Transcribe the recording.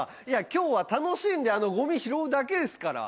今日は楽しんでごみ拾うだけですから。